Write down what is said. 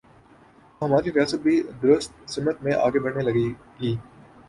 تو ہماری ریاست بھی درست سمت میں آگے بڑھنے لگے گی۔